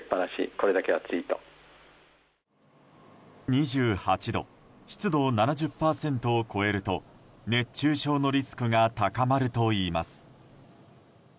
２８度、湿度７０％を超えると熱中症のリスクが高まるといいます。